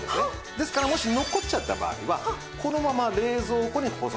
ですからもし残っちゃった場合はこのまま冷蔵庫に保存。